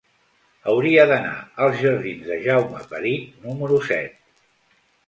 Hauria d'anar als jardins de Jaume Perich número set.